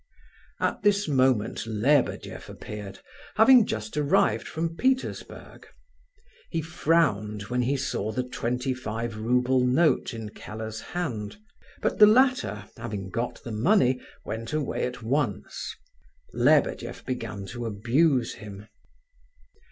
At this moment Lebedeff appeared, having just arrived from Petersburg. He frowned when he saw the twenty five rouble note in Keller's hand, but the latter, having got the money, went away at once. Lebedeff began to abuse him.